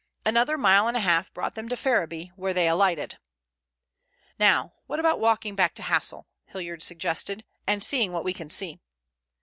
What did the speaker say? Another mile and a half brought them to Ferriby, where they alighted. "Now what about walking back to Hassle," Hilliard suggested, "and seeing what we can see?"